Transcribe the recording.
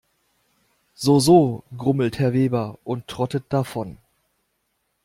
So so, grummelt Herr Weber und trottet davon.